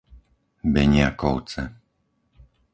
Beniakovce